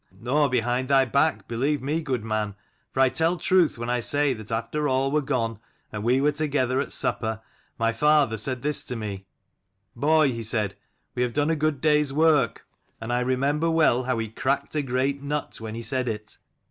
" Nor behind thy back, believe me, good man. For I tell truth when I say that after all were gone, and we were together at supper, my father said this to me : Boy, he said, we have done a good day's work ; and I remember well how he cracked a great nut when he said it.